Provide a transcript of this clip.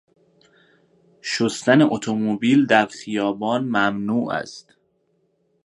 شستن اتومبیل در خیابان ممنوع است.